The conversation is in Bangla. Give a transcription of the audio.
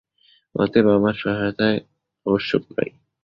অতএব আমার সহায়তার আবশ্যক নাই।